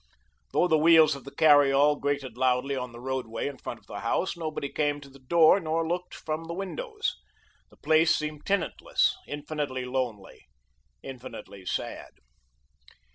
Though the wheels of the carry all grated loudly on the roadway in front of the house, nobody came to the door nor looked from the windows. The place seemed tenantless, infinitely lonely, infinitely sad.